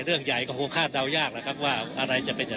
เรื่องใหญ่ก็โฆษภาพเดาอยากนะครับว่าอะไรจะเป็นอะไร